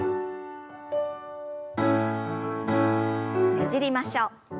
ねじりましょう。